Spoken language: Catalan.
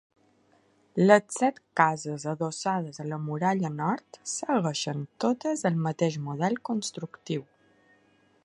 Les set cases adossades a la muralla nord segueixen totes el mateix model constructiu.